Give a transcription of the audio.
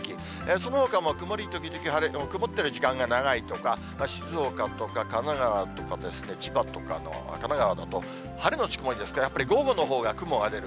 そのほかも曇り時々晴れ、曇ってる時間が長いとか、静岡とか神奈川とかですね、千葉とか、神奈川だと晴れ後曇りですから、午後のほうが雲が出る。